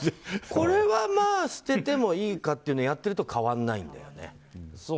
これはもう捨ててもいいかっていうのをやっていると変わらないんだよね。